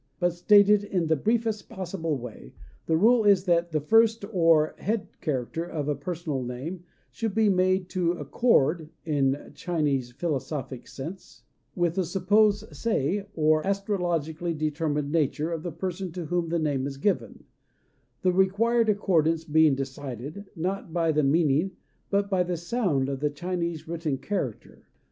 But, stated in the briefest possible way, the rule is that the first or "head character" of a personal name should be made to "accord" (in the Chinese philosophic sense) with the supposed Sei, or astrologically determined nature, of the person to whom the name is given; the required accordance being decided, not by the meaning, but by the sound of the Chinese written character.